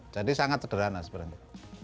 jadi sangat sederhana sebenarnya